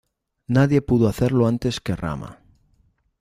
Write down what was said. Nadie pudo hacerlo antes que Rama.